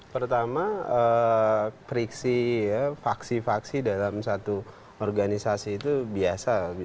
pertama friksi faksi faksi dalam satu organisasi itu biasa